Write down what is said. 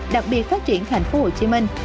đặc biệt phát triển thành phố hồ chí minh